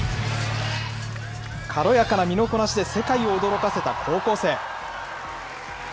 軽やかな身のこなしで世界を驚かせた高校生。